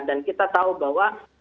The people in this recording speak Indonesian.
dan kita tahu bahwa